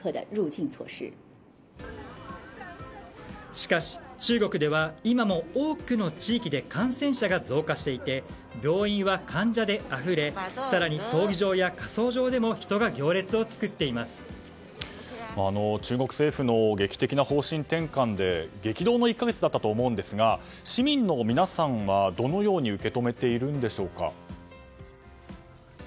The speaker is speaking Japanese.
しかし中国では今も多くの地域で感染者が増加していて病院は患者であふれ更に葬儀場や火葬場でも中国政府の劇的な方針転換で激動の１か月だったと思うんですが市民の皆さんはどのように受け止めているんでしょうか？